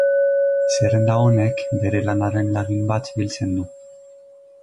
Zerrenda honek bere lanaren lagin bat biltzen du.